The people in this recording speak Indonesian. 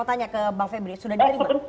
mau tanya ke bang febri sudah diterima